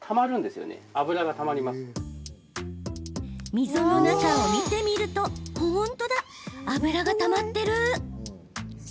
溝の中を見てみると本当だ、油がたまってる！